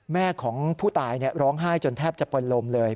แม่ของผู้ตายร้องไห้จนแทบจะปนลมเลย